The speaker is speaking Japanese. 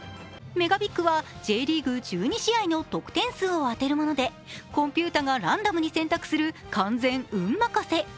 ＭＥＧＡＢＩＧはＪリーグ１２試合の得点数を当てるもので、コンピューターがランダムに選択する完全運任せ。